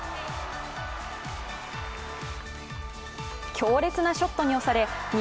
強烈なショットに押され２